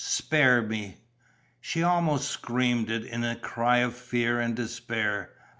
"Spare me!" She almost screamed it, in a cry of fear and despair.